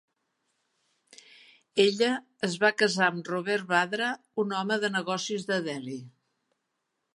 Ella es va casar amb Robert Vadra. un home de negocis de Delhi.